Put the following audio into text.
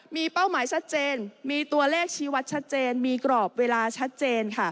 มีเป้าหมายชัดเจนมีตัวเลขชีวัตรชัดเจนมีกรอบเวลาชัดเจนค่ะ